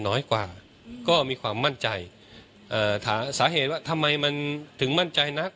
น้อยกว่าก็มีความมั่นใจเอ่อสาเหตุว่าทำไมมันถึงมั่นใจนัก